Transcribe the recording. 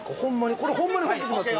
これホンマに廃棄します？